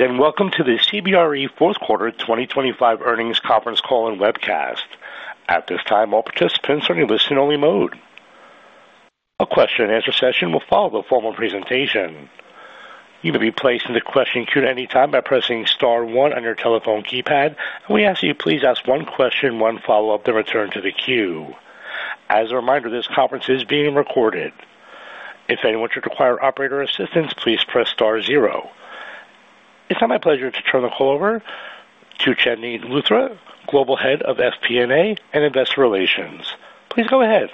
Welcome to the CBRE fourth quarter 2025 earnings conference call and webcast. At this time, all participants are in listen-only mode. A question-and-answer session will follow the formal presentation. You may be placed in the question queue at any time by pressing star one on your telephone keypad. We ask you, please ask one question, one follow-up, then return to the queue. As a reminder, this conference is being recorded. If anyone should require operator assistance, please press star 0. It's now my pleasure to turn the call over to Chandni Luthra, Global Head of FP&A and Investor Relations. Please go ahead.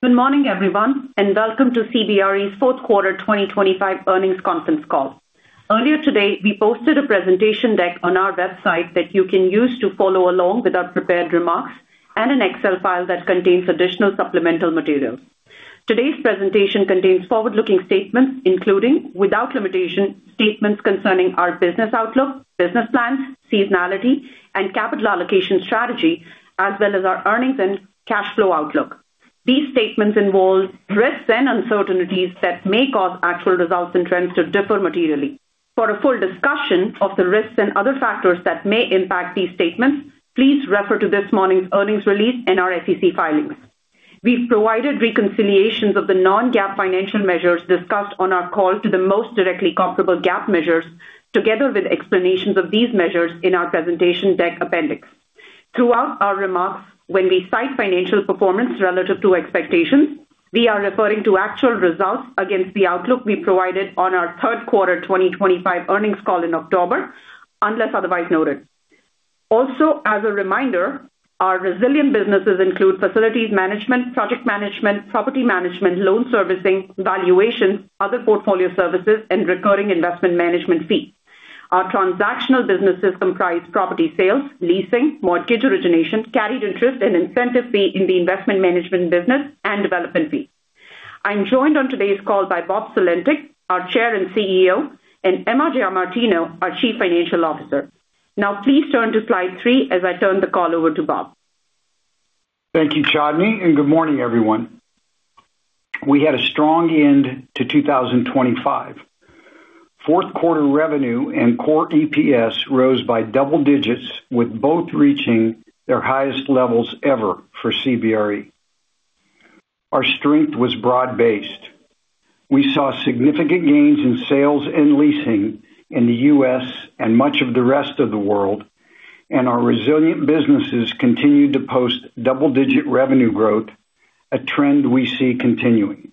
Good morning, everyone, and welcome to CBRE's fourth quarter 2025 earnings conference call. Earlier today, we posted a presentation deck on our website that you can use to follow along with our prepared remarks and an Excel file that contains additional supplemental materials. Today's presentation contains forward-looking statements, including, without limitation, statements concerning our business outlook, business plans, seasonality, and capital allocation strategy, as well as our earnings and cash flow outlook. These statements involve risks and uncertainties that may cause actual results and trends to differ materially. For a full discussion of the risks and other factors that may impact these statements, please refer to this morning's earnings release and our SEC filings. We've provided reconciliations of the non-GAAP financial measures discussed on our call to the most directly comparable GAAP measures, together with explanations of these measures in our presentation deck appendix. Throughout our remarks, when we cite financial performance relative to expectations, we are referring to actual results against the outlook we provided on our third quarter 2025 earnings call in October, unless otherwise noted. Also, as a reminder, our resilient businesses include facilities management, project management, property management, loan servicing, valuations, other portfolio services, and recurring investment management fees. Our transactional businesses comprise property sales, leasing, mortgage origination, carried interest and incentive fee in the investment management business, and development fees. I'm joined on today's call by Bob Sulentic, our Chair and CEO, and Emma Giamartino, our Chief Financial Officer. Now, please turn to slide three as I turn the call over to Bob. Thank you, Chandni, and good morning, everyone. We had a strong end to 2025. Fourth quarter revenue and core EPS rose by double digits, with both reaching their highest levels ever for CBRE. Our strength was broad-based. We saw significant gains in sales and leasing in the U.S. and much of the rest of the world, and our resilient businesses continued to post double-digit revenue growth, a trend we see continuing.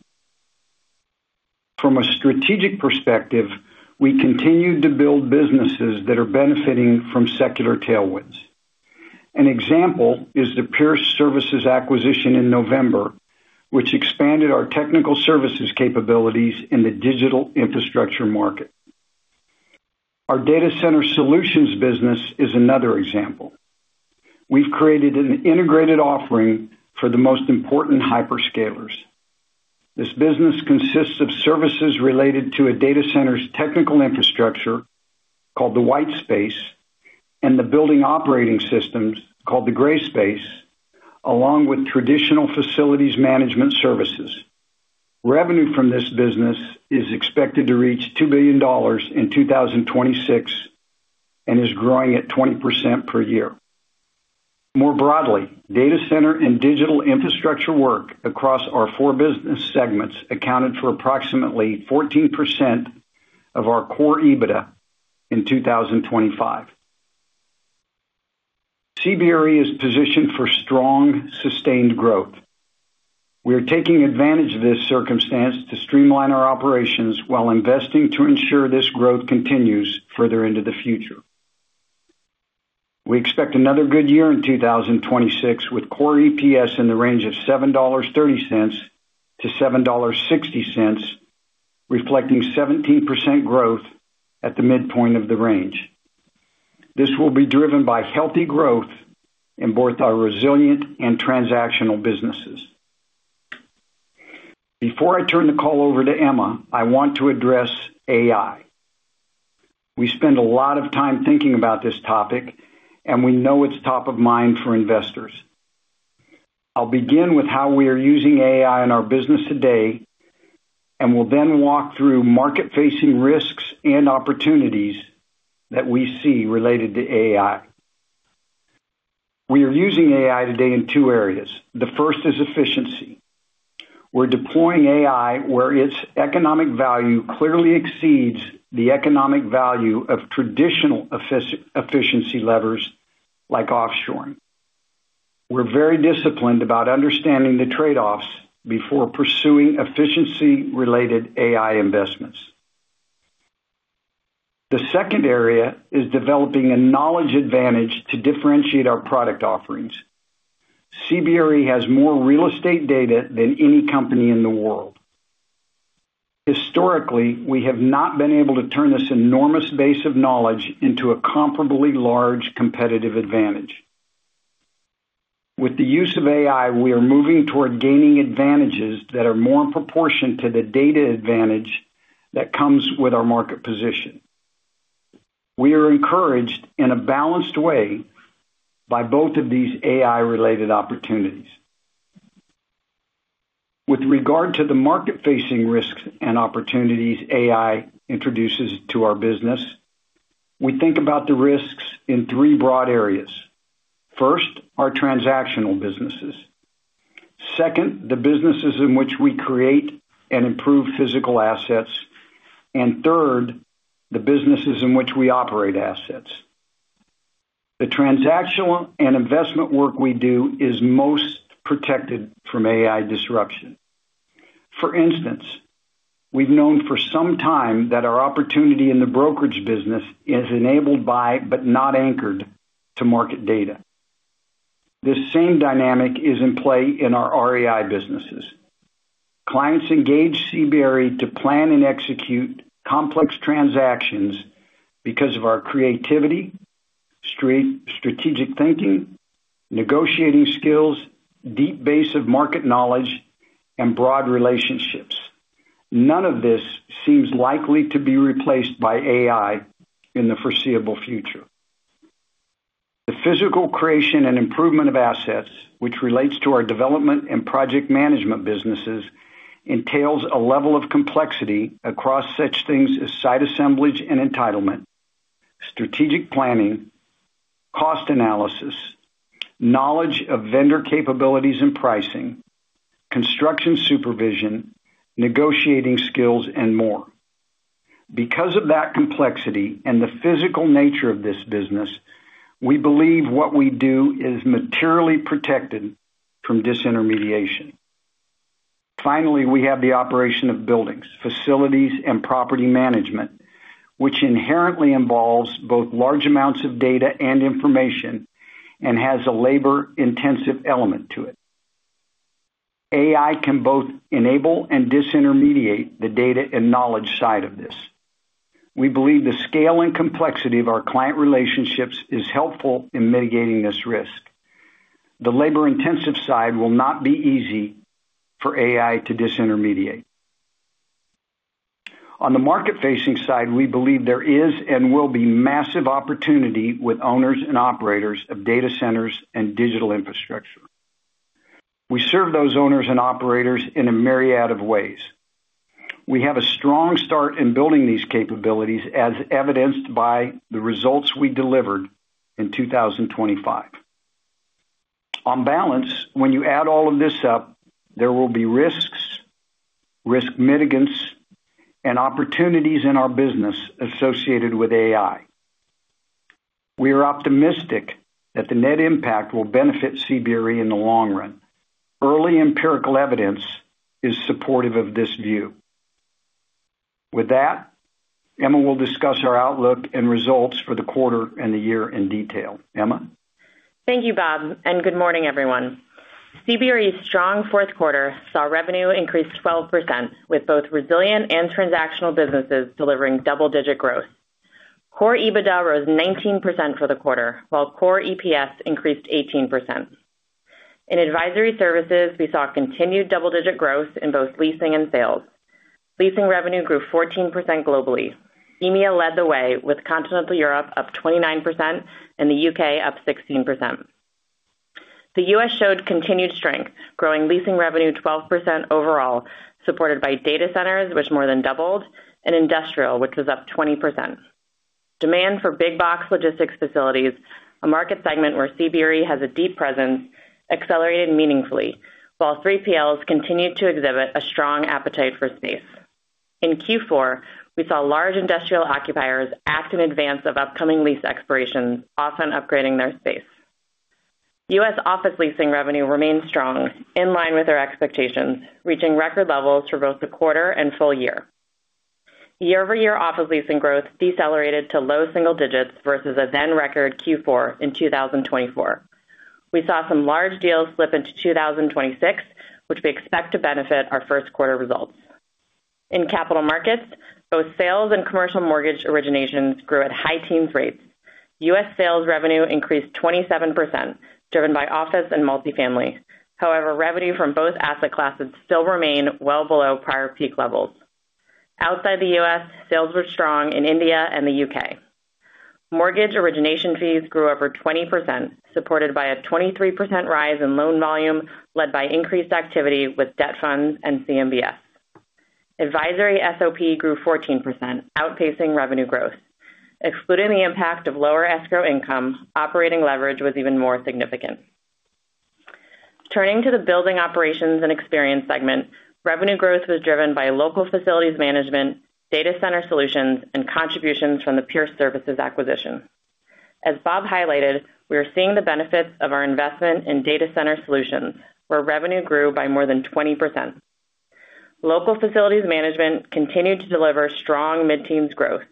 From a strategic perspective, we continued to build businesses that are benefiting from secular tailwinds. An example is the Pearce Services acquisition in November, which expanded our technical services capabilities in the digital infrastructure market. Our data center solutions business is another example. We've created an integrated offering for the most important hyperscalers. This business consists of services related to a data center's technical infrastructure, called the white space, and the building operating systems, called the gray space, along with traditional facilities management services. Revenue from this business is expected to reach $2 billion in 2026 and is growing at 20% per year. More broadly, data center and digital infrastructure work across our four business segments accounted for approximately 14% of our core EBITDA in 2025. CBRE is positioned for strong, sustained growth. We are taking advantage of this circumstance to streamline our operations while investing to ensure this growth continues further into the future. We expect another good year in 2026, with core EPS in the range of $7.30-$7.60, reflecting 17% growth at the midpoint of the range. This will be driven by healthy growth in both our resilient and transactional businesses. Before I turn the call over to Emma, I want to address AI. We spend a lot of time thinking about this topic, and we know it's top of mind for investors. I'll begin with how we are using AI in our business today, and we'll then walk through market-facing risks and opportunities that we see related to AI. We are using AI today in two areas. The first is efficiency. We're deploying AI where its economic value clearly exceeds the economic value of traditional efficiency levers like offshoring. We're very disciplined about understanding the trade-offs before pursuing efficiency-related AI investments. The second area is developing a knowledge advantage to differentiate our product offerings. CBRE has more real estate data than any company in the world. Historically, we have not been able to turn this enormous base of knowledge into a comparably large competitive advantage. With the use of AI, we are moving toward gaining advantages that are more in proportion to the data advantage that comes with our market position. We are encouraged in a balanced way by both of these AI-related opportunities... With regard to the market-facing risks and opportunities AI introduces to our business, we think about the risks in three broad areas. First, our transactional businesses. Second, the businesses in which we create and improve physical assets. And third, the businesses in which we operate assets. The transactional and investment work we do is most protected from AI disruption. For instance, we've known for some time that our opportunity in the brokerage business is enabled by, but not anchored to market data. This same dynamic is in play in our REI businesses. Clients engage CBRE to plan and execute complex transactions because of our creativity, strategic thinking, negotiating skills, deep base of market knowledge, and broad relationships. None of this seems likely to be replaced by AI in the foreseeable future. The physical creation and improvement of assets, which relates to our development and project management businesses, entails a level of complexity across such things as site assemblage and entitlement, strategic planning, cost analysis, knowledge of vendor capabilities and pricing, construction supervision, negotiating skills, and more. Because of that complexity and the physical nature of this business, we believe what we do is materially protected from disintermediation. Finally, we have the operation of buildings, facilities, and property management, which inherently involves both large amounts of data and information and has a labor-intensive element to it. AI can both enable and disintermediate the data and knowledge side of this. We believe the scale and complexity of our client relationships is helpful in mitigating this risk. The labor-intensive side will not be easy for AI to disintermediate. On the market-facing side, we believe there is and will be massive opportunity with owners and operators of data centers and digital infrastructure. We serve those owners and operators in a myriad of ways. We have a strong start in building these capabilities, as evidenced by the results we delivered in 2025. On balance, when you add all of this up, there will be risks, risk mitigants, and opportunities in our business associated with AI. We are optimistic that the net impact will benefit CBRE in the long run. Early empirical evidence is supportive of this view. With that, Emma will discuss our outlook and results for the quarter and the year in detail. Emma? Thank you, Bob, and good morning, everyone. CBRE's strong fourth quarter saw revenue increase 12%, with both resilient and transactional businesses delivering double-digit growth. Core EBITDA rose 19% for the quarter, while core EPS increased 18%. In advisory services, we saw continued double-digit growth in both leasing and sales. Leasing revenue grew 14% globally. EMEA led the way, with Continental Europe up 29% and the U.K. up 16%. The U.S. showed continued strength, growing leasing revenue 12% overall, supported by data centers, which more than doubled, and industrial, which was up 20%. Demand for big box logistics facilities, a market segment where CBRE has a deep presence, accelerated meaningfully, while 3PLs continued to exhibit a strong appetite for space. In Q4, we saw large industrial occupiers act in advance of upcoming lease expirations, often upgrading their space. U.S. office leasing revenue remained strong, in line with our expectations, reaching record levels for both the quarter and full year. Year-over-year office leasing growth decelerated to low single digits versus a then record Q4 in 2024. We saw some large deals slip into 2026, which we expect to benefit our first quarter results. In capital markets, both sales and commercial mortgage originations grew at high teens rates. U.S. sales revenue increased 27%, driven by office and multifamily. However, revenue from both asset classes still remain well below prior peak levels. Outside the U.S., sales were strong in India and the U.K. Mortgage origination fees grew over 20%, supported by a 23% rise in loan volume, led by increased activity with debt funds and CMBS. Advisory SOP grew 14%, outpacing revenue growth. Excluding the impact of lower escrow income, operating leverage was even more significant. Turning to the building operations and experience segment, revenue growth was driven by local facilities management, data center solutions, and contributions from the Pearce Services acquisition. As Bob highlighted, we are seeing the benefits of our investment in data center solutions, where revenue grew by more than 20%. Local facilities management continued to deliver strong mid-teens growth,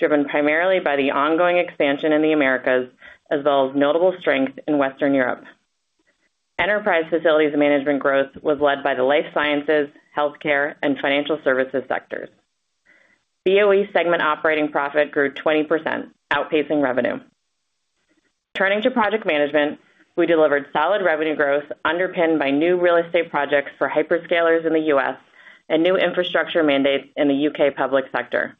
driven primarily by the ongoing expansion in the Americas, as well as notable strength in Western Europe. Enterprise facilities management growth was led by the life sciences, healthcare, and financial services sectors. BOE segment operating profit grew 20%, outpacing revenue. Turning to project management, we delivered solid revenue growth underpinned by new real estate projects for hyperscalers in the U.S. and new infrastructure mandates in the U.K. public sector....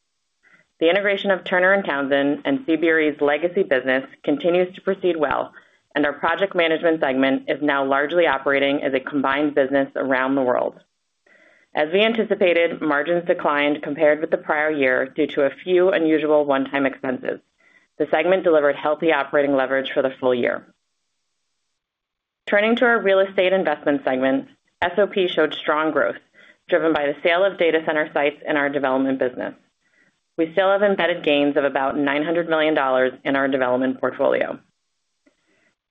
The integration of Turner & Townsend and CBRE's legacy business continues to proceed well, and our project management segment is now largely operating as a combined business around the world. As we anticipated, margins declined compared with the prior year due to a few unusual one-time expenses. The segment delivered healthy operating leverage for the full year. Turning to our real estate investment segment, SOP showed strong growth, driven by the sale of data center sites and our development business. We still have embedded gains of about $900 million in our development portfolio.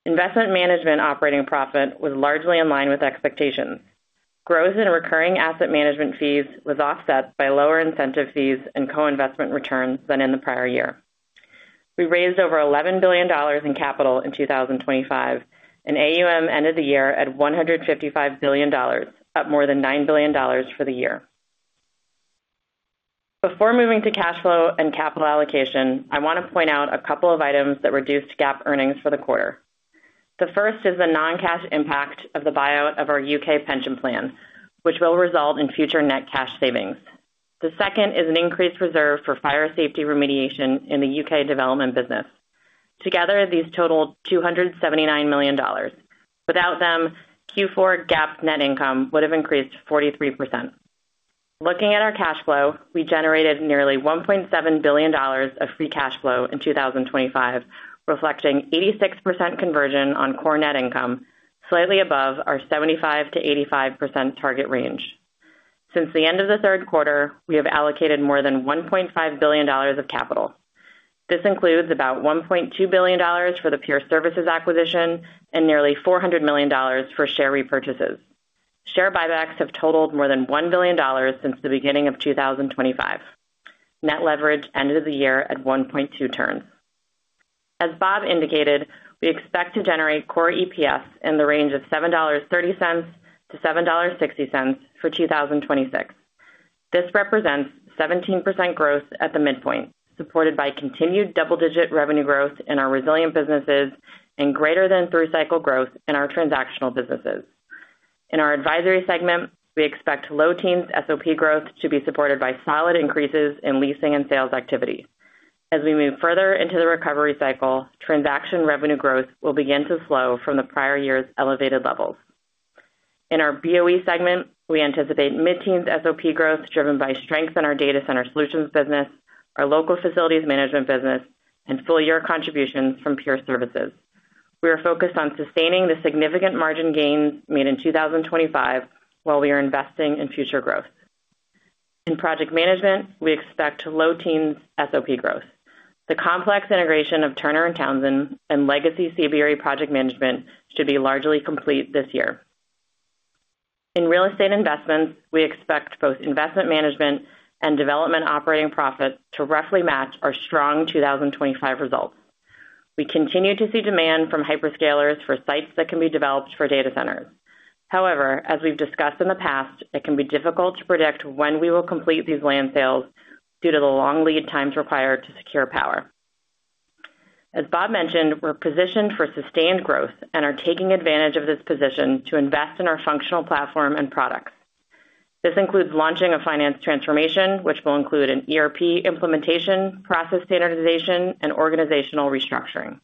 Investment management operating profit was largely in line with expectations. Growth in recurring asset management fees was offset by lower incentive fees and co-investment returns than in the prior year. We raised over $11 billion in capital in 2025, and AUM ended the year at $155 billion, up more than $9 billion for the year. Before moving to cash flow and capital allocation, I want to point out a couple of items that reduced GAAP earnings for the quarter. The first is the non-cash impact of the buyout of our U.K. pension plan, which will result in future net cash savings. The second is an increased reserve for fire safety remediation in the U.K. development business. Together, these totaled $279 million. Without them, Q4 GAAP net income would have increased 43%. Looking at our cash flow, we generated nearly $1.7 billion of free cash flow in 2025, reflecting 86% conversion on core net income, slightly above our 75%-85% target range. Since the end of the third quarter, we have allocated more than $1.5 billion of capital. This includes about $1.2 billion for the Pearce Services acquisition and nearly $400 million for share repurchases. Share buybacks have totaled more than $1 billion since the beginning of 2025. Net leverage ended the year at 1.2 turns. As Bob indicated, we expect to generate core EPS in the range of $7.30-$7.60 for 2026. This represents 17% growth at the midpoint, supported by continued double-digit revenue growth in our resilient businesses and greater than through cycle growth in our transactional businesses. In our advisory segment, we expect low teens SOP growth to be supported by solid increases in leasing and sales activity. As we move further into the recovery cycle, transaction revenue growth will begin to slow from the prior year's elevated levels. In our BOE segment, we anticipate mid-teens SOP growth, driven by strength in our data center solutions business, our local facilities management business, and full-year contributions from Pearce Services. We are focused on sustaining the significant margin gains made in 2025 while we are investing in future growth. In project management, we expect low teens SOP growth. The complex integration of Turner & Townsend and legacy CBRE project management should be largely complete this year. In real estate investments, we expect both investment management and development operating profits to roughly match our strong 2025 results. We continue to see demand from hyperscalers for sites that can be developed for data centers. However, as we've discussed in the past, it can be difficult to predict when we will complete these land sales due to the long lead times required to secure power. As Bob mentioned, we're positioned for sustained growth and are taking advantage of this position to invest in our functional platform and products. This includes launching a finance transformation, which will include an ERP implementation, process standardization, and organizational restructuring.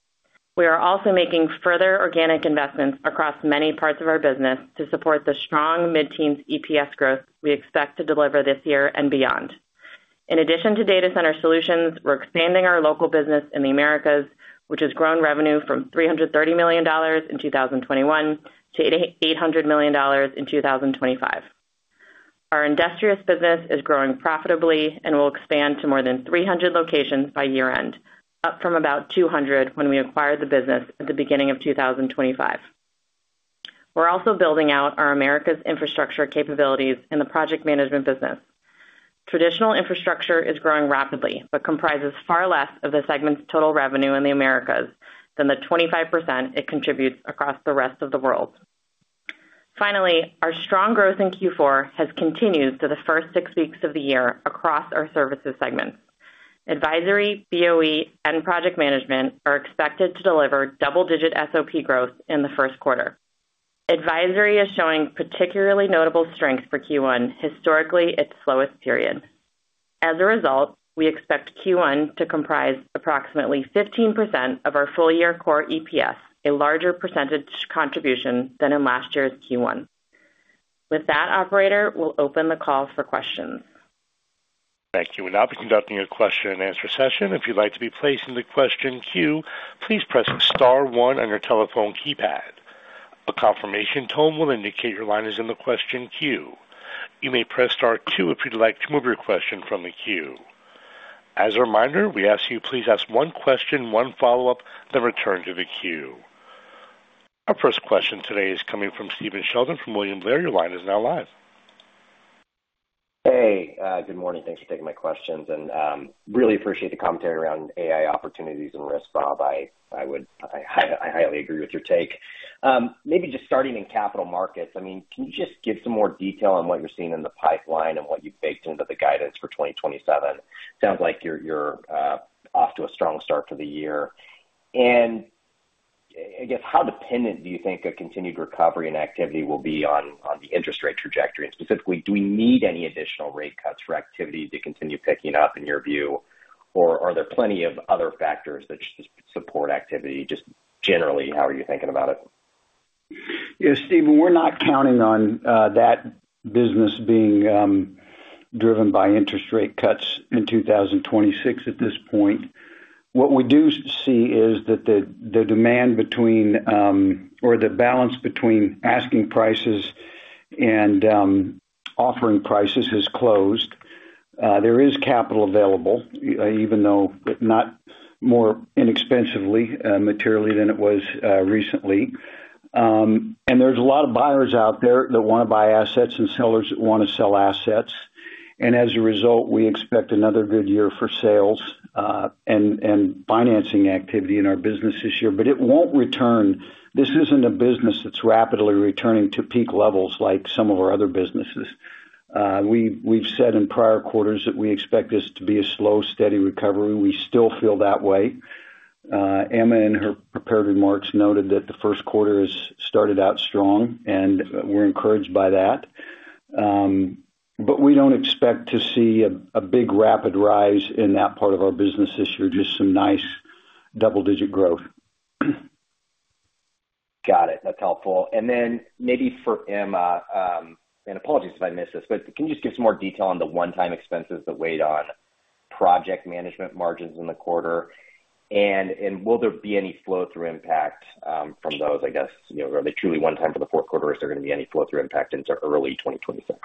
We are also making further organic investments across many parts of our business to support the strong mid-teens EPS growth we expect to deliver this year and beyond. In addition to data center solutions, we're expanding our local business in the Americas, which has grown revenue from $330 million in 2021 to $800 million in 2025. Our Industrious business is growing profitably and will expand to more than 300 locations by year-end, up from about 200 when we acquired the business at the beginning of 2025. We're also building out our Americas infrastructure capabilities in the project management business. Traditional infrastructure is growing rapidly, but comprises far less of the segment's total revenue in the Americas than the 25% it contributes across the rest of the world. Finally, our strong growth in Q4 has continued through the first six weeks of the year across our services segments. Advisory, BOE, and project management are expected to deliver double-digit SOP growth in the first quarter. Advisory is showing particularly notable strength for Q1, historically its slowest period. As a result, we expect Q1 to comprise approximately 15% of our full-year Core EPS, a larger percentage contribution than in last year's Q1. With that, operator, we'll open the call for questions. Thank you. We'll now be conducting a question-and-answer session. If you'd like to be placed in the question queue, please press star one on your telephone keypad. A confirmation tone will indicate your line is in the question queue. You may press star two if you'd like to move your question from the queue. As a reminder, we ask you please ask one question, one follow-up, then return to the queue. Our first question today is coming from Stephen Sheldon from William Blair. Your line is now live. Hey, good morning. Thanks for taking my questions, and really appreciate the commentary around AI opportunities and risks, Bob. I highly agree with your take. Maybe just starting in capital markets, I mean, can you just give some more detail on what you're seeing in the pipeline and what you've baked into the guidance for 2027? Sounds like you're off to a strong start to the year. I guess, how dependent do you think a continued recovery and activity will be on the interest rate trajectory? And specifically, do we need any additional rate cuts for activity to continue picking up, in your view, or are there plenty of other factors that just support activity? Just generally, how are you thinking about it? Yeah, Stephen, we're not counting on that business being driven by interest rate cuts in 2026 at this point. What we do see is that the demand between, or the balance between asking prices and offering prices has closed. There is capital available, even though not more inexpensively materially than it was recently. And there's a lot of buyers out there that wanna buy assets and sellers that wanna sell assets, and as a result, we expect another good year for sales and financing activity in our business this year. But it won't return... This isn't a business that's rapidly returning to peak levels like some of our other businesses. We've said in prior quarters that we expect this to be a slow, steady recovery. We still feel that way. Emma, in her prepared remarks, noted that the first quarter has started out strong, and we're encouraged by that. But we don't expect to see a big, rapid rise in that part of our business this year, just some nice double-digit growth. Got it. That's helpful. And then maybe for Emma, and apologies if I missed this, but can you just give some more detail on the one-time expenses that weighed on project management margins in the quarter? And will there be any flow-through impact, from those, I guess, you know, are they truly one-time for the fourth quarter, or is there gonna be any flow-through impact into early 2026?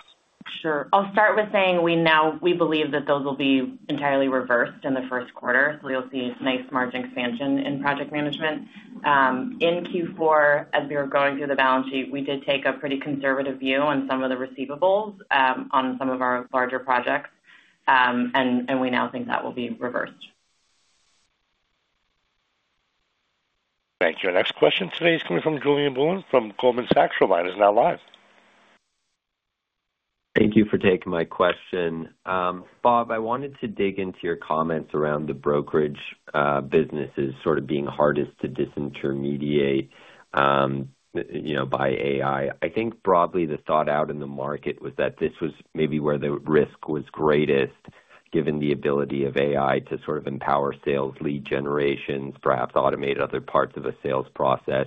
Sure. I'll start with saying we now believe that those will be entirely reversed in the first quarter, so you'll see nice margin expansion in project management. In Q4, as we were going through the balance sheet, we did take a pretty conservative view on some of the receivables on some of our larger projects, and we now think that will be reversed. Thank you. Our next question today is coming from Julien Blouin from Goldman Sachs. Your line is now live. Thank you for taking my question. Bob, I wanted to dig into your comments around the brokerage businesses sort of being hardest to disintermediate, you know, by AI. I think broadly, the thought out in the market was that this was maybe where the risk was greatest, given the ability of AI to sort of empower sales, lead generations, perhaps automate other parts of the sales process.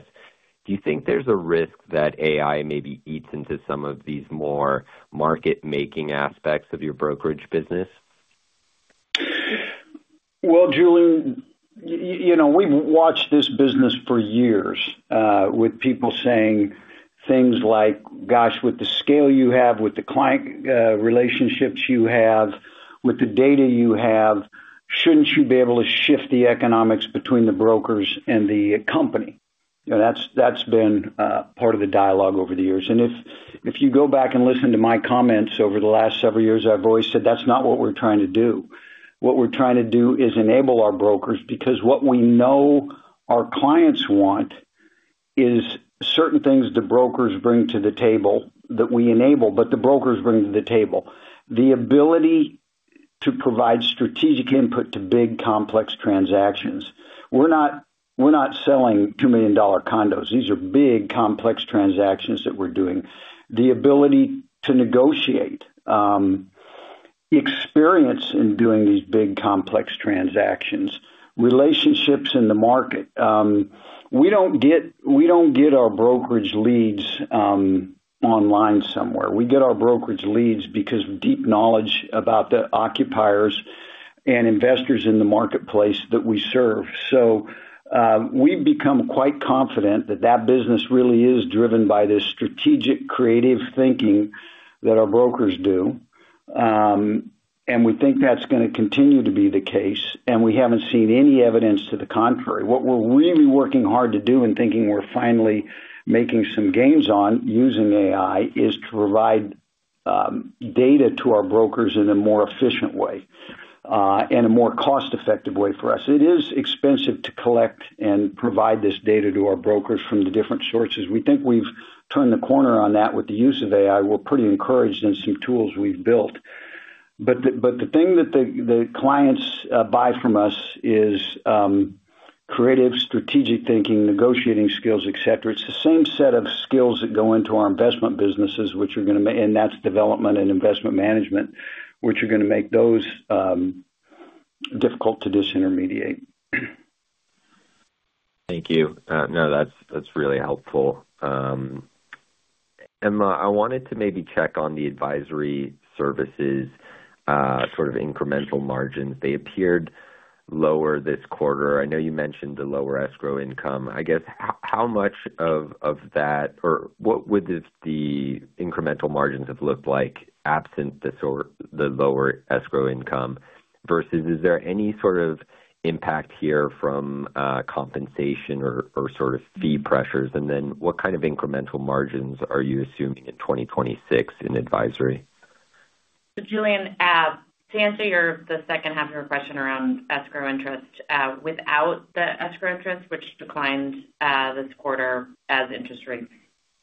Do you think there's a risk that AI maybe eats into some of these more market-making aspects of your brokerage business? Well, Julien, you know, we've watched this business for years, with people saying things like, "Gosh, with the scale you have, with the client relationships you have, with the data you have, shouldn't you be able to shift the economics between the brokers and the company?" You know, that's been part of the dialogue over the years. And if you go back and listen to my comments over the last several years, I've always said, "That's not what we're trying to do." What we're trying to do is enable our brokers, because what we know our clients want is certain things the brokers bring to the table that we enable, but the brokers bring to the table. The ability to provide strategic input to big, complex transactions. We're not, we're not selling $2 million condos. These are big, complex transactions that we're doing. The ability to negotiate, experience in doing these big, complex transactions, relationships in the market. We don't get, we don't get our brokerage leads, online somewhere. We get our brokerage leads because of deep knowledge about the occupiers and investors in the marketplace that we serve. So, we've become quite confident that that business really is driven by this strategic, creative thinking that our brokers do, and we think that's gonna continue to be the case, and we haven't seen any evidence to the contrary. What we're really working hard to do and thinking we're finally making some gains on using AI, is to provide, data to our brokers in a more efficient way, and a more cost-effective way for us. It is expensive to collect and provide this data to our brokers from the different sources. We think we've turned the corner on that with the use of AI. We're pretty encouraged in some tools we've built. But the thing that clients buy from us is creative, strategic thinking, negotiating skills, et cetera. It's the same set of skills that go into our investment businesses, which are gonna and that's development and investment management, which are gonna make those difficult to disintermediate. Thank you. No, that's, that's really helpful. Emma, I wanted to maybe check on the advisory services, sort of incremental margins. They appeared lower this quarter. I know you mentioned the lower escrow income. I guess, how much of, of that or what would the, the incremental margins have looked like absent the sort of lower escrow income, versus is there any sort of impact here from, compensation or, or sort of fee pressures? And then what kind of incremental margins are you assuming in 2026 in advisory? So Julien, to answer your, the second half of your question around escrow interest, without the escrow interest, which declined this quarter as interest rates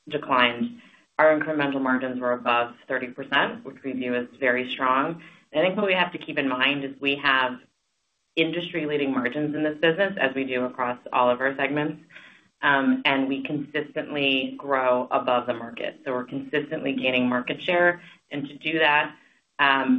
declined. Our incremental margins were above 30%, which we view as very strong. I think what we have to keep in mind is we have industry-leading margins in this business, as we do across all of our segments, and we consistently grow above the market. So we're consistently gaining market share, and to do that,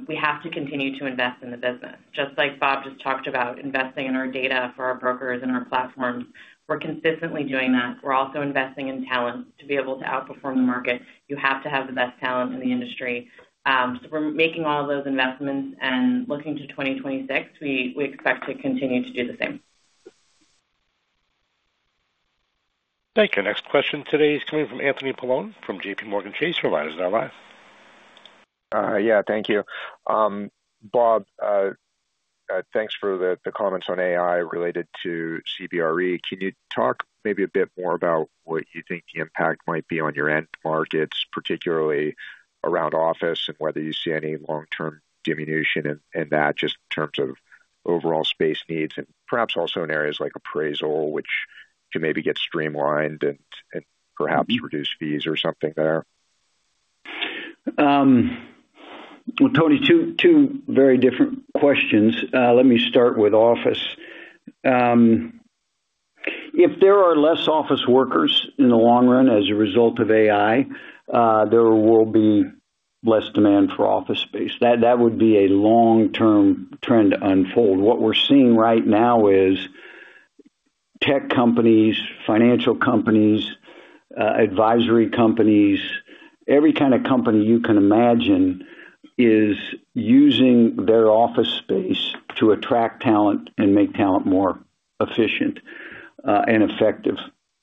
we have to continue to invest in the business. Just like Bob just talked about, investing in our data for our brokers and our platforms, we're consistently doing that. We're also investing in talent. To be able to outperform the market, you have to have the best talent in the industry. So we're making all of those investments, and looking to 2026, we expect to continue to do the same. Thank you. Next question today is coming from Anthony Paolone from JPMorgan Chase. Your line is now live. Yeah, thank you. Bob, thanks for the comments on AI related to CBRE. Can you talk maybe a bit more about what you think the impact might be on your end markets, particularly around office, and whether you see any long-term diminution in that, just in terms of overall space needs and perhaps also in areas like appraisal, which can maybe get streamlined and perhaps reduce fees or something there? Well, Tony, two very different questions. Let me start with office. If there are less office workers in the long run as a result of AI, there will be less demand for office space. That would be a long-term trend to unfold. What we're seeing right now is tech companies, financial companies, advisory companies, every kind of company you can imagine, is using their office space to attract talent and make talent more efficient, and effective,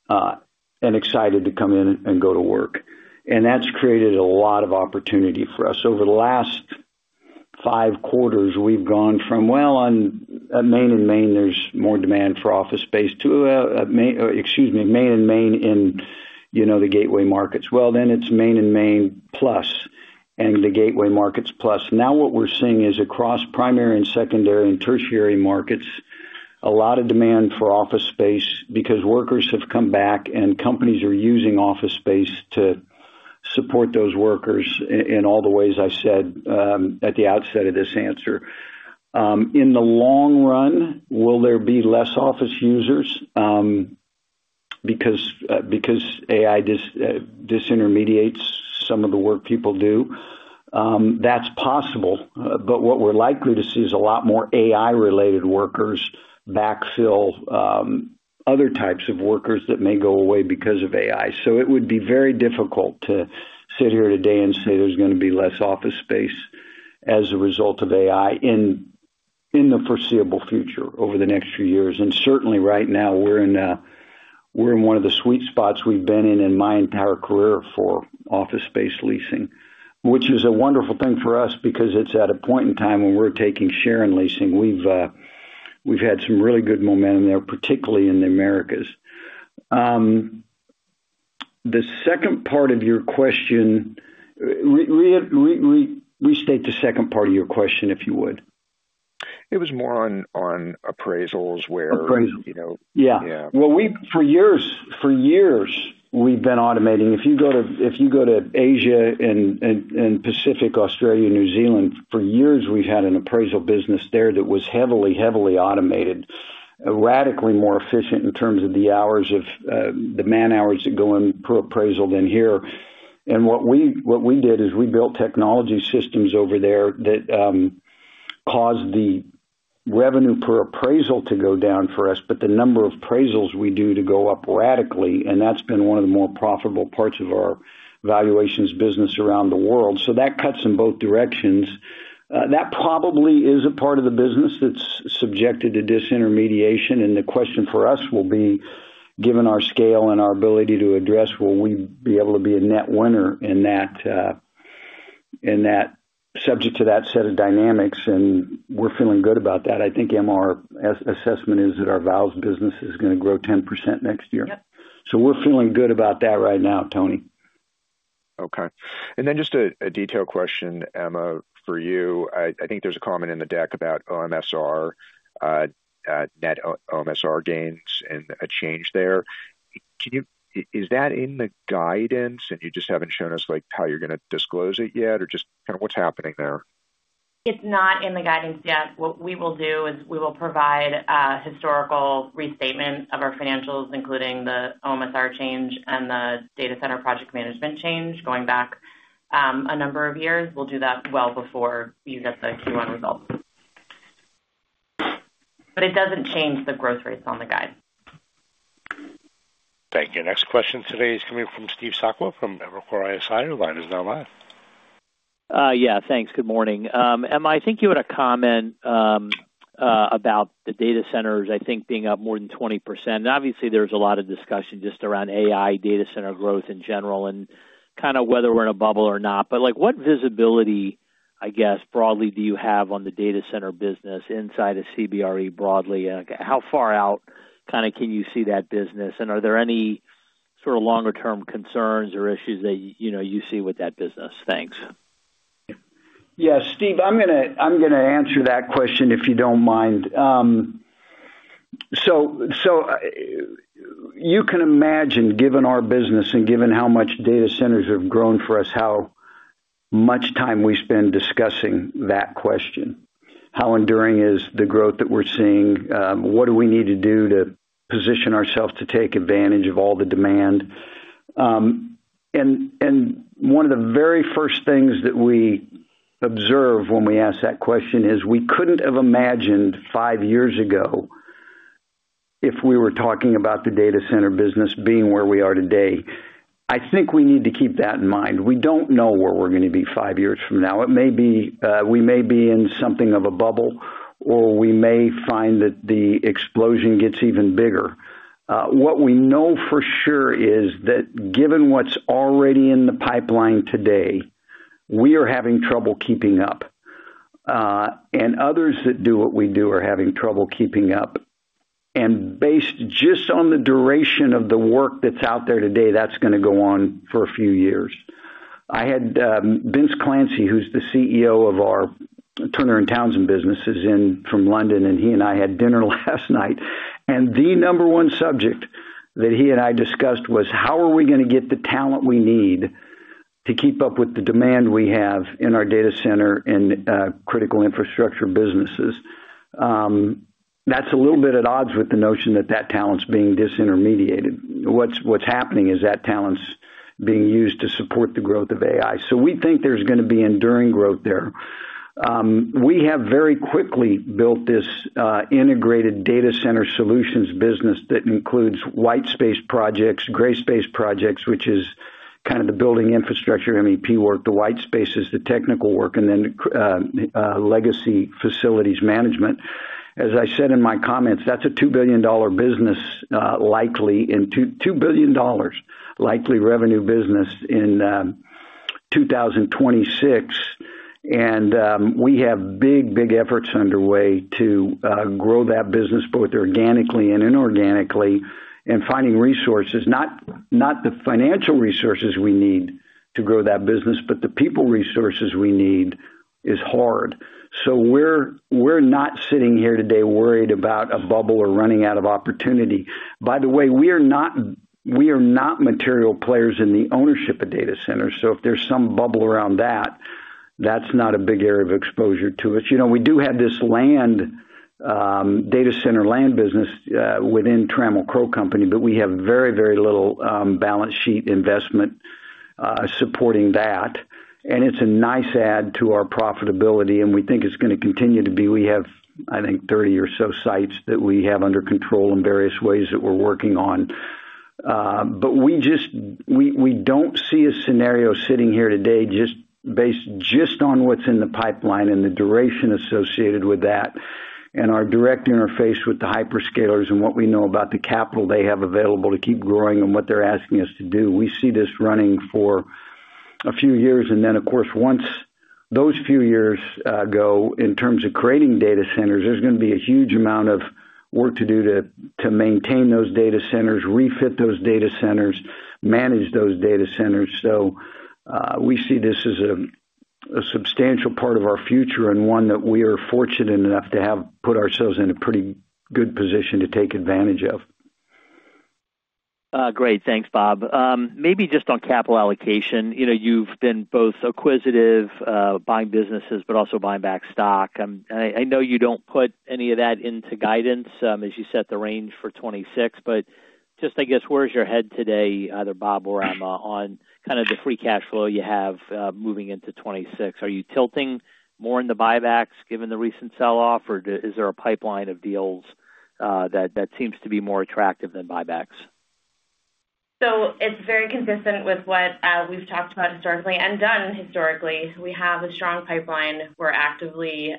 and excited to come in and go to work. And that's created a lot of opportunity for us. Over the last five quarters, we've gone from well, on main and main, there's more demand for office space to, main and main in, you know, the gateway markets. Well, then it's main and main plus, and the gateway markets plus. Now what we're seeing is across primary and secondary and tertiary markets, a lot of demand for office space because workers have come back, and companies are using office space to support those workers in all the ways I said, at the outset of this answer. In the long run, will there be less office users because AI disintermediates some of the work people do? That's possible, but what we're likely to see is a lot more AI-related workers backfill other types of workers that may go away because of AI. So it would be very difficult to sit here today and say there's gonna be less office space as a result of AI in the foreseeable future, over the next few years. Certainly right now, we're in one of the sweet spots we've been in in my entire career for office space leasing, which is a wonderful thing for us because it's at a point in time when we're taking share in leasing. We've had some really good momentum there, particularly in the Americas. The second part of your question, restate the second part of your question, if you would. It was more on appraisals where- Appraisal. You know? Yeah. Yeah. Well, we—for years, for years, we've been automating. If you go to Asia Pacific, Australia, New Zealand, for years, we've had an appraisal business there that was heavily, heavily automated, radically more efficient in terms of the hours of the man-hours that go in per appraisal than here. And what we, what we did is we built technology systems over there that caused the revenue per appraisal to go down for us, but the number of appraisals we do to go up radically, and that's been one of the more profitable parts of our valuations business around the world. So that cuts in both directions. That probably is a part of the business that's subjected to disintermediation, and the question for us will be, given our scale and our ability to address, will we be able to be a net winner in that subject to that set of dynamics? We're feeling good about that. I think, Emma, our assessment is that our vals business is gonna grow 10% next year. Yep. We're feeling good about that right now, Tony. Okay. And then just a detail question, Emma, for you. I think there's a comment in the deck about OMSR, net OMSR gains and a change there. Can you... is that in the guidance, and you just haven't shown us, like, how you're gonna disclose it yet, or just kind of what's happening there? It's not in the guidance yet. What we will do is we will provide, historical restatements of our financials, including the OMSR change and the data center project management change, going back, a number of years. We'll do that well before you get the Q1 results. But it doesn't change the growth rates on the guide. Thank you. Next question today is coming from Steve Sakwa from Evercore ISI. Your line is now live. Yeah, thanks. Good morning. Emma, I think you had a comment about the data centers, I think being up more than 20%. And obviously, there's a lot of discussion just around AI data center growth in general and kind of whether we're in a bubble or not. But, like, what visibility, I guess, broadly, do you have on the data center business inside of CBRE broadly, and how far out kind of can you see that business? And are there any sort of longer-term concerns or issues that, you know, you see with that business? Thanks. Yeah, Steve, I'm gonna answer that question, if you don't mind. So, you can imagine, given our business and given how much data centers have grown for us, how much time we spend discussing that question. How enduring is the growth that we're seeing? What do we need to do to position ourselves to take advantage of all the demand? And one of the very first things that we observe when we ask that question is, we couldn't have imagined five years ago if we where we are today. I think we need to keep that in mind. We don't know where we're gonna be five years from now. It may be, we may be in something of a bubble, or we may find that the explosion gets even bigger. What we know for sure is that given what's already in the pipeline today, we are having trouble keeping up, and others that do what we do are having trouble keeping up. And based just on the duration of the work that's out there today, that's gonna go on for a few years. I had Vince Clancy, who's the CEO of our Turner & Townsend businesses, in from London, and he and I had dinner last night, and the number one subject that he and I discussed was: How are we gonna get the talent we need to keep up with the demand we have in our data center and critical infrastructure businesses? That's a little bit at odds with the notion that that talent's being disintermediated. What's happening is that talent's being used to support the growth of AI. So we think there's gonna be enduring growth there. We have very quickly built this integrated data center solutions business that includes white space projects, gray space projects, which is kind of the building infrastructure, MEP work, the white space is the technical work, and then legacy facilities management. As I said in my comments, that's a $2 billion business, likely a $2 billion revenue business in 2026, and we have big, big efforts underway to grow that business, both organically and inorganically, and finding resources, not the financial resources we need to grow that business, but the people resources we need, is hard. So we're not sitting here today worried about a bubble or running out of opportunity. By the way, we are not material players in the ownership of data centers, so if there's some bubble around that, that's not a big area of exposure to us. You know, we do have this land data center land business within Trammell Crow Company, but we have very, very little balance sheet investment supporting that, and it's a nice add to our profitability, and we think it's gonna continue to be. We have, I think, 30 or so sites that we have under control in various ways that we're working on. But we just don't see a scenario sitting here today, just based just on what's in the pipeline and the duration associated with that, and our direct interface with the hyperscalers and what we know about the capital they have available to keep growing and what they're asking us to do. We see this running for a few years, and then, of course, once those few years go in terms of creating data centers, there's gonna be a huge amount of work to do to maintain those data centers, refit those data centers, manage those data centers. So, we see this as a substantial part of our future and one that we are fortunate enough to have put ourselves in a pretty good position to take advantage of. Great. Thanks, Bob. Maybe just on capital allocation, you know, you've been both acquisitive, buying businesses, but also buying back stock. I know you don't put any of that into guidance, as you set the range for 2026, but just, I guess, where is your head today, either Bob or Emma, on kind of the free cash flow you have, moving into 2026? Are you tilting more in the buybacks, given the recent sell-off, or is there a pipeline of deals, that seems to be more attractive than buybacks? So it's very consistent with what we've talked about historically and done historically. We have a strong pipeline. We're actively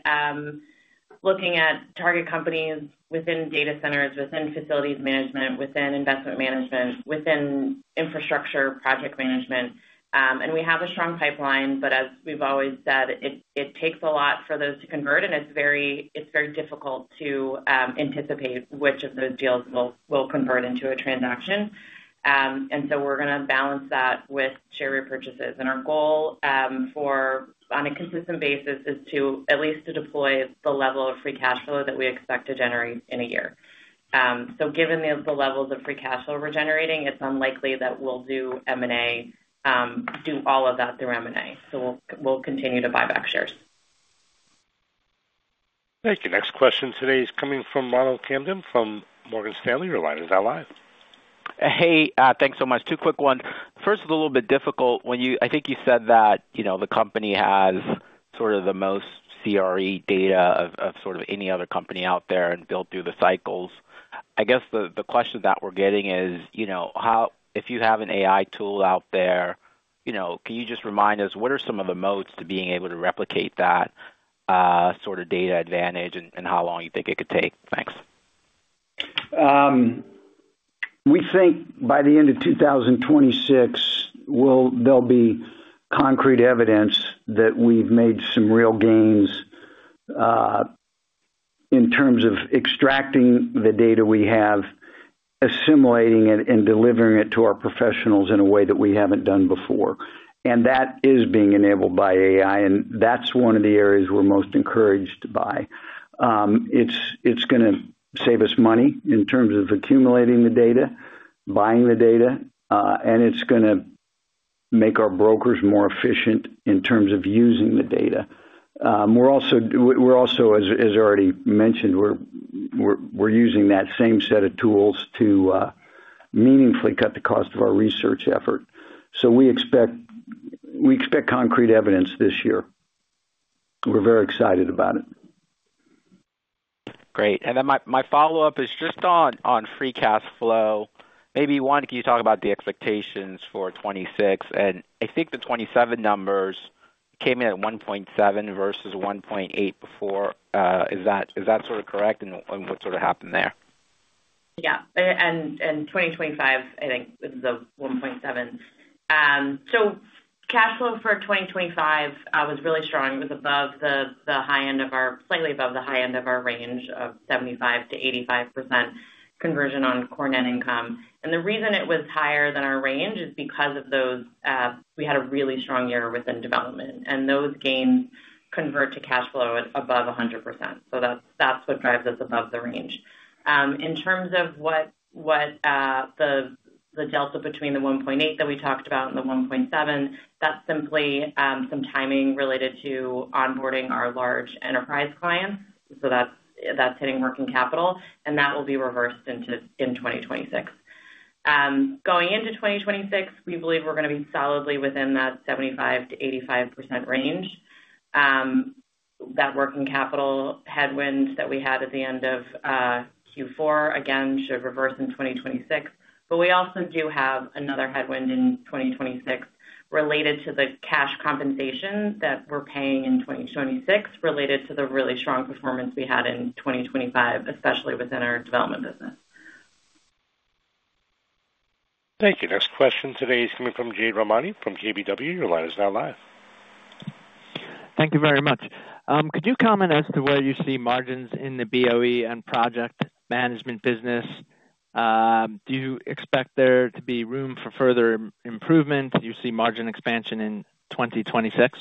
looking at target companies within data centers, within facilities management, within investment management, within infrastructure, project management. And we have a strong pipeline, but as we've always said, it, it takes a lot for those to convert, and it's very, it's very difficult to anticipate which of those deals will, will convert into a transaction. And so we're gonna balance that with share repurchases. And our goal, for on a consistent basis, is to at least to deploy the level of free cash flow that we expect to generate in a year. So given the, the levels of free cash flow we're generating, it's unlikely that we'll do M&A, do all of that through M&A. We'll continue to buy back shares. Thank you. Next question today is coming from Ronald Kamdem, from Morgan Stanley, your line is now live. Hey, thanks so much. Two quick ones. First, a little bit difficult. When you—I think you said that, you know, the company has sort of the most CRE data of, of sort of any other company out there and built through the cycles. I guess the, the question that we're getting is, you know, how—if you have an AI tool out there, you know, can you just remind us, what are some of the modes to being able to replicate that sort of data advantage and, and how long you think it could take? Thanks. We think by the end of 2026, there'll be concrete evidence that we've made some real gains in terms of extracting the data we have, assimilating it and delivering it to our professionals in a way that we haven't done before. And that is being enabled by AI, and that's one of the areas we're most encouraged by. It's going to save us money in terms of accumulating the data, buying the data, and it's going to make our brokers more efficient in terms of using the data. We're also, as already mentioned, using that same set of tools to meaningfully cut the cost of our research effort. So we expect concrete evidence this year. We're very excited about it. Great. And then my follow-up is just on free cash flow. Maybe can you talk about the expectations for 2026? And I think the 2027 numbers came in at $1.7 versus $1.8 before. Is that sort of correct, and what sort of happened there? Yeah, and 2025, I think, is the $1.7. So cash flow for 2025 was really strong. It was above the high end of our range, slightly above the high end of our range of 75%-85% conversion on core net income. And the reason it was higher than our range is because of those, we had a really strong year within development, and those gains convert to cash flow at above 100%. So that's what drives us above the range. In terms of what the delta between the $1.8 that we talked about and the $1.7, that's simply some timing related to onboarding our large enterprise clients. So that's hitting working capital, and that will be reversed into 2026. Going into 2026, we believe we're going to be solidly within that 75%-85% range. That working capital headwind that we had at the end of Q4, again, should reverse in 2026. But we also do have another headwind in 2026 related to the cash compensation that we're paying in 2026, related to the really strong performance we had in 2025, especially within our development business. Thank you. Next question today is coming from Jade Rahmani from KBW. Your line is now live. Thank you very much. Could you comment as to where you see margins in the BOE and project management business? Do you expect there to be room for further improvement? Do you see margin expansion in 2026?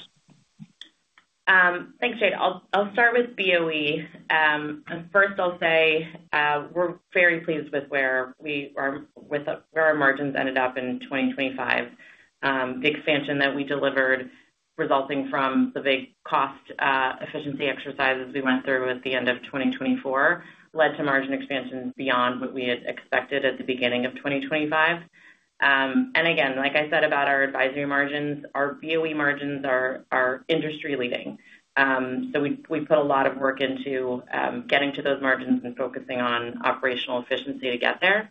Thanks, Jade. I'll start with BOE. And first, I'll say, we're very pleased with where our margins ended up in 2025. The expansion that we delivered, resulting from the big cost efficiency exercises we went through at the end of 2024, led to margin expansion beyond what we had expected at the beginning of 2025. And again, like I said, about our advisory margins, our BOE margins are industry leading. So we put a lot of work into getting to those margins and focusing on operational efficiency to get there.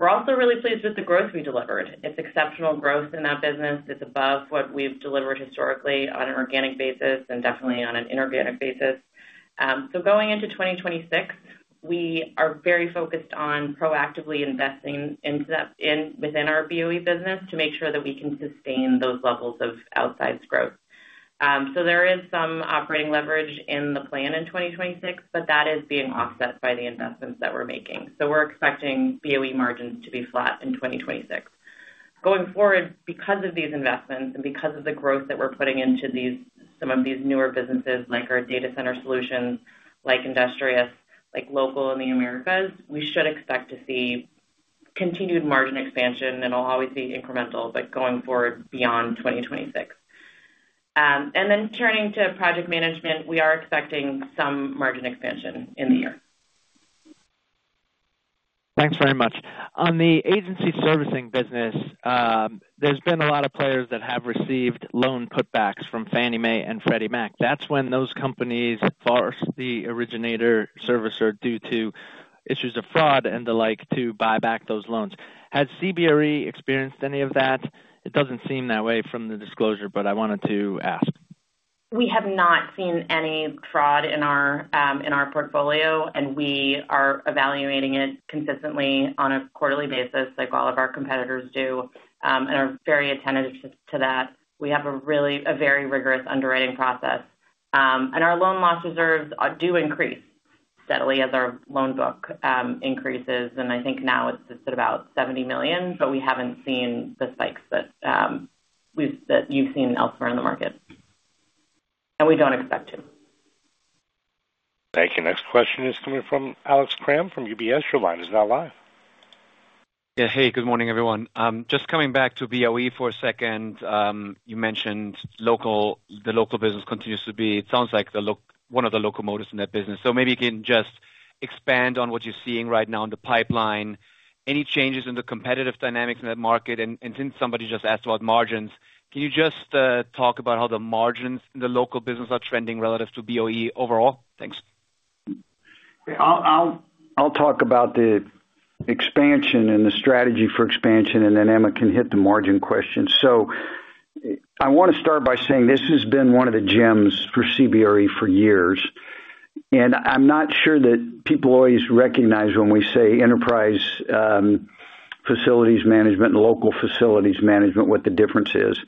We're also really pleased with the growth we delivered. It's exceptional growth in that business. It's above what we've delivered historically on an organic basis and definitely on an inorganic basis. So going into 2026, we are very focused on proactively investing in within our BOE business to make sure that we can sustain those levels of outsized growth. So there is some operating leverage in the plan in 2026, but that is being offset by the investments that we're making. So we're expecting BOE margins to be flat in 2026. Going forward, because of these investments and because of the growth that we're putting into some of these newer businesses, like our data center solutions, like Industrious, like local in the Americas, we should expect to see continued margin expansion, and it'll always be incremental, but going forward beyond 2026. And then turning to project management, we are expecting some margin expansion in the year. Thanks very much. On the agency servicing business, there's been a lot of players that have received loan putbacks from Fannie Mae and Freddie Mac. That's when those companies force the originator servicer due to issues of fraud and the like, to buy back those loans. Has CBRE experienced any of that? It doesn't seem that way from the disclosure, but I wanted to ask. We have not seen any fraud in our portfolio, and we are evaluating it consistently on a quarterly basis, like all of our competitors do, and are very attentive to that. We have a very rigorous underwriting process. Our loan loss reserves do increase steadily as our loan book increases, and I think now it's just about $70 million, but we haven't seen the spikes that you've seen elsewhere in the market. We don't expect to. Thank you. Next question is coming from Alex Kramm from UBS. Your line is now live. Yeah. Hey, good morning, everyone. Just coming back to BOE for a second. You mentioned local—the local business continues to be, it sounds like the one of the local motors in that business. So maybe you can just expand on what you're seeing right now in the pipeline. Any changes in the competitive dynamics in that market? And, since somebody just asked about margins, can you just talk about how the margins in the local business are trending relative to BOE overall? Thanks. I'll talk about the expansion and the strategy for expansion, and then Emma can hit the margin question. So I want to start by saying this has been one of the gems for CBRE for years, and I'm not sure that people always recognize when we say enterprise facilities management and local facilities management, what the difference is.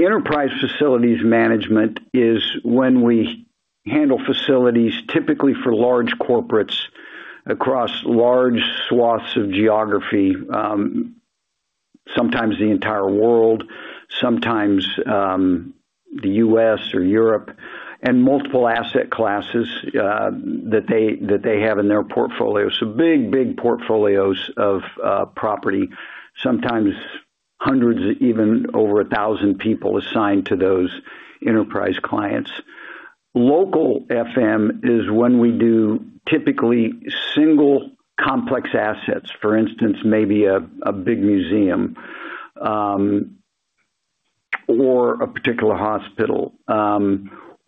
Enterprise facilities management is when we handle facilities, typically for large corporates across large swaths of geography, sometimes the entire world, sometimes the U.S. or Europe, and multiple asset classes, that they, that they have in their portfolio. So big, big portfolios of property, sometimes hundreds, even over 1,000 people assigned to those enterprise clients. Local FM is when we do typically single complex assets, for instance, maybe a big museum, or a particular hospital,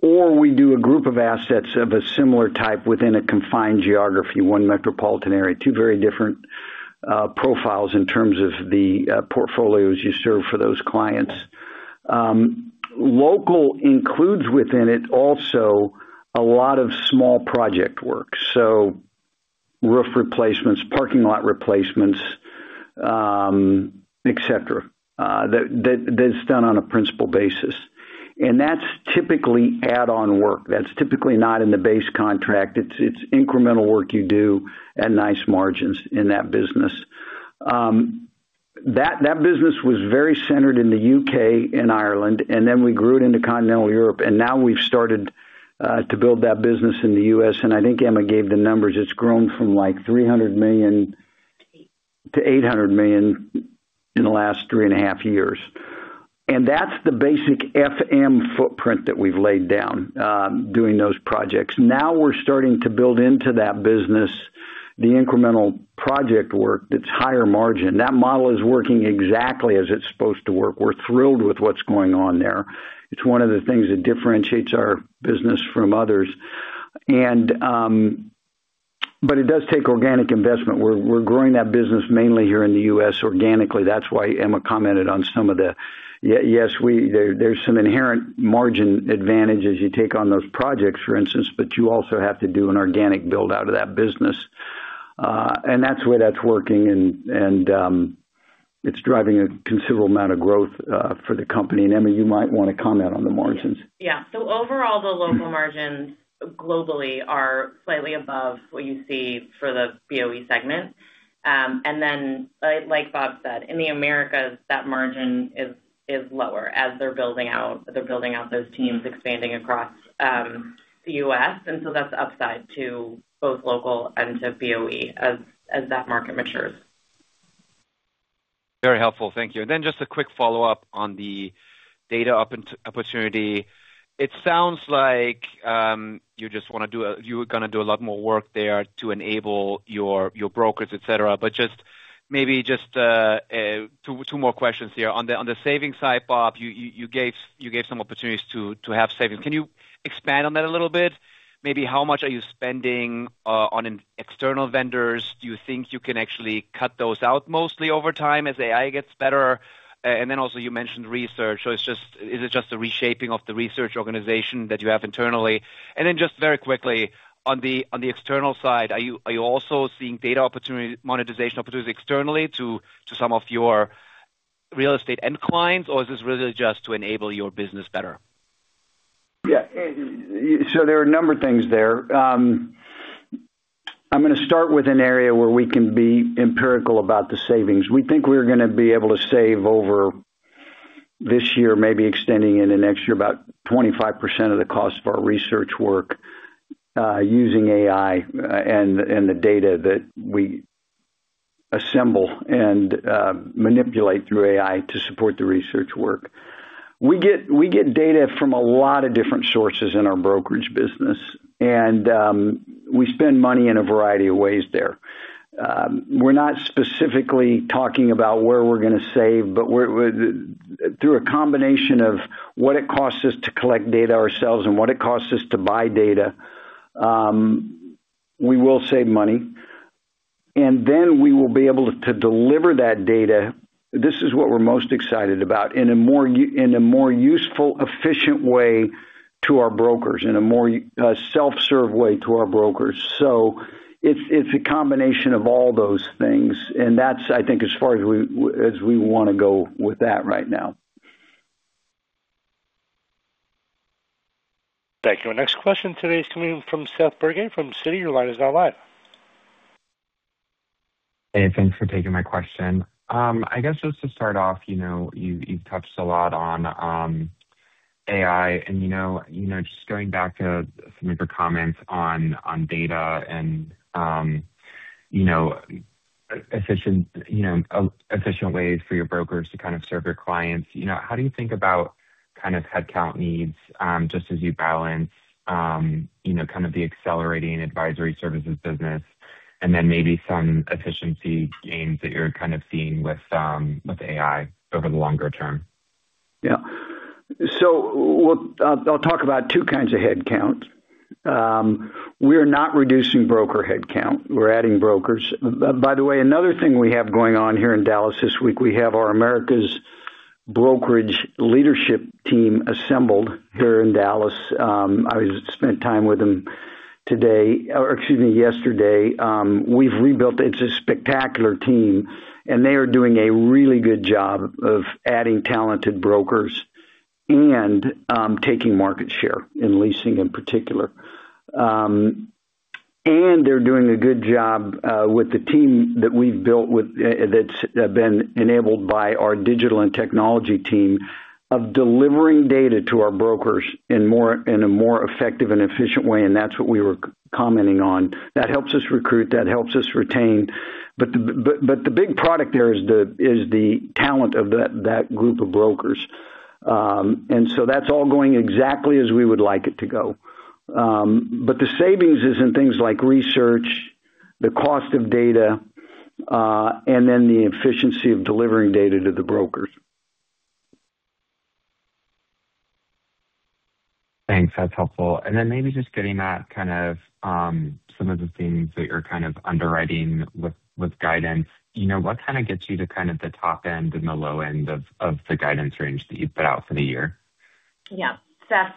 or we do a group of assets of a similar type within a confined geography, one metropolitan area. Two very different profiles in terms of the portfolios you serve for those clients. Local includes within it also a lot of small project work, so roof replacements, parking lot replacements, et cetera, that that's done on a principal basis. That's typically add-on work. That's typically not in the base contract. It's incremental work you do at nice margins in that business. That business was very centered in the U.K. and Ireland, and then we grew it into Continental Europe, and now we've started to build that business in the U.S. I think Emma gave the numbers. It's grown from, like, $300 million to $800 million in the last 3.5 years. That's the basic FM footprint that we've laid down doing those projects. Now we're starting to build into that business the incremental project work that's higher margin. That model is working exactly as it's supposed to work. We're thrilled with what's going on there. It's one of the things that differentiates our business from others. But it does take organic investment. We're growing that business mainly here in the U.S. organically. That's why Emma commented on some of the... Yes, there, there's some inherent margin advantage as you take on those projects, for instance, but you also have to do an organic build out of that business. And that's where that's working, and it's driving a considerable amount of growth for the company. And Emma, you might want to comment on the margins. Yeah. So overall, the local margins globally are slightly above what you see for the BOE segment. And then, like Bob said, in the Americas, that margin is lower as they're building out those teams, expanding across the U.S. And so that's the upside to both local and to BOE as that market matures. Very helpful. Thank you. And then just a quick follow-up on the data opportunity. It sounds like you just wanna do—you were gonna do a lot more work there to enable your brokers, et cetera. But just maybe just two more questions here. On the savings side, Bob, you gave some opportunities to have savings. Can you expand on that a little bit? Maybe how much are you spending on external vendors? Do you think you can actually cut those out mostly over time as AI gets better? And then also you mentioned research. So is it just a reshaping of the research organization that you have internally? And then just very quickly, on the external side, are you also seeing data opportunity, monetization opportunities externally to some of your real estate end clients, or is this really just to enable your business better? Yeah. So there are a number of things there. I'm gonna start with an area where we can be empirical about the savings. We think we're gonna be able to save over, this year, maybe extending into next year, about 25% of the cost of our research work, using AI and the data that we assemble and manipulate through AI to support the research work. We get data from a lot of different sources in our brokerage business, and we spend money in a variety of ways there. We're not specifically talking about where we're gonna save, but we're, through a combination of what it costs us to collect data ourselves and what it costs us to buy data, we will save money, and then we will be able to deliver that data, this is what we're most excited about, in a more useful, efficient way to our brokers, in a more self-serve way to our brokers. So it's, it's a combination of all those things, and that's, I think, as far as we, as we wanna go with that right now. Thank you. Our next question today is coming from Seth Bergey from Citi. Your line is now live. Hey, thanks for taking my question. I guess just to start off, you know, you've, you've touched a lot on AI and, you know, you know, just going back to some of your comments on data and, you know, efficient, you know, efficient ways for your brokers to kind of serve your clients. You know, how do you think about kind of headcount needs, just as you balance, you know, kind of the accelerating advisory services business and then maybe some efficiency gains that you're kind of seeing with AI over the longer term? Yeah. So I'll talk about two kinds of headcount. We are not reducing broker headcount. We're adding brokers. By the way, another thing we have going on here in Dallas this week, we have our Americas Brokerage Leadership Team assembled here in Dallas. I spent time with them today, or excuse me, yesterday. We've rebuilt. It's a spectacular team, and they are doing a really good job of adding talented brokers and taking market share in leasing in particular. And they're doing a good job with the team that we've built, that's been enabled by our digital and technology team, of delivering data to our brokers in a more effective and efficient way, and that's what we were commenting on. That helps us recruit, that helps us retain. But the big product there is the talent of that group of brokers. And so that's all going exactly as we would like it to go. But the savings is in things like research, the cost of data, and then the efficiency of delivering data to the brokers. Thanks. That's helpful. And then maybe just getting at kind of, some of the things that you're kind of underwriting with, with guidance. You know, what kind of gets you to kind of the top end and the low end of, of the guidance range that you've put out for the year? Yeah. Seth,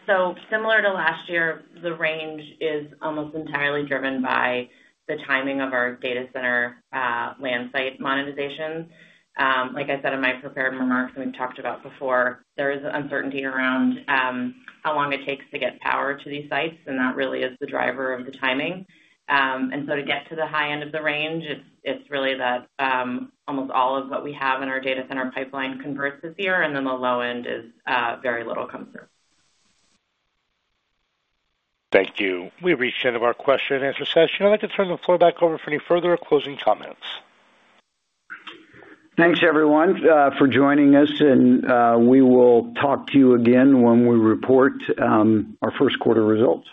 so similar to last year, the range is almost entirely driven by the timing of our data center land site monetization. Like I said in my prepared remarks, and we've talked about before, there is uncertainty around how long it takes to get power to these sites, and that really is the driver of the timing. And so to get to the high end of the range, it's really the almost all of what we have in our data center pipeline converts this year, and then the low end is very little comes through. Thank you. We've reached the end of our question-and-answer session. I'd like to turn the floor back over for any further closing comments. Thanks, everyone, for joining us, and we will talk to you again when we report our first quarter results.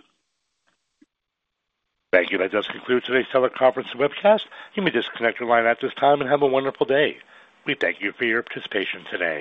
Thank you. That does conclude today's teleconference webcast. You may disconnect your line at this time and have a wonderful day. We thank you for your participation today.